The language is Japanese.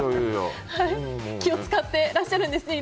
気を使ってらっしゃるんですね